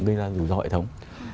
gây ra rủi ro hệ thống